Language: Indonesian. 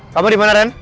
kamu dimana ren